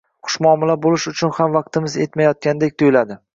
xushmuomila bo`lish uchun ham vaqtimiz etmayotgandek tuyiladi